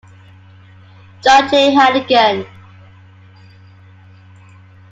John J. Hannigan.